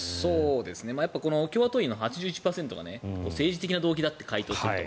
共和党員の８１％が政治的な動機だと回答していると。